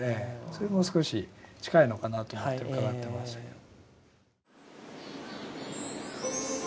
それも少し近いのかなと思って伺ってましたけど。